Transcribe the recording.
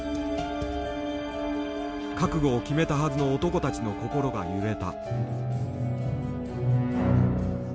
覚悟を決めたはずの男たちの心が揺れた。